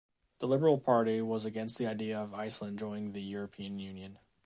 The Liberal Party was against the idea of Iceland joining the European Union.